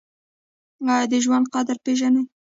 ایا د ژوند قدر پیژنئ؟